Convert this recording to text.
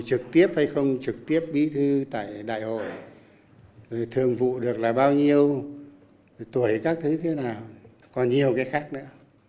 trực tiếp hay không trực tiếp bí thư tại đại hội thường vụ được là bao nhiêu tuổi các thứ thế nào còn nhiều cái khác nữa